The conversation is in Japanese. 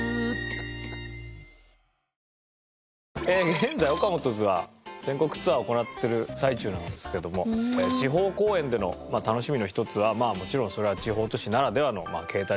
現在ＯＫＡＭＯＴＯ’Ｓは全国ツアーを行ってる最中なんですけども地方公演での楽しみの一つはもちろんそれは地方都市ならではのケータリングですね。